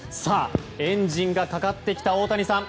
エンジンがかかってきた大谷さん